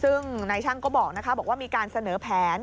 ซึ่งนายช่างก็บอกว่ามีการเสนอแผน